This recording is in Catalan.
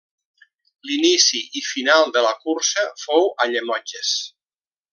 L'inici i final de la cursa fou a Llemotges.